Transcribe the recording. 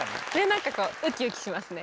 なんかこうウキウキしますね。